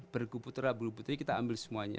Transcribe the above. berguputera bulu putri kita ambil semuanya